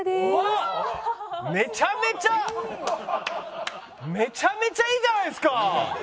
めちゃめちゃめちゃめちゃいいじゃないですか！